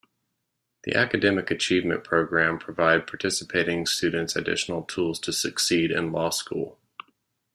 The "Academic Achievement Program" provide participating students additional tools to succeed in law school.